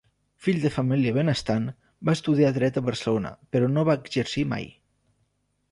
Fill de família benestant, va estudiar Dret a Barcelona, però no va exercir mai.